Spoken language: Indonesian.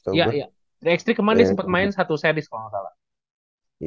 dari xt kemana dia sempet main satu series kalau gak salah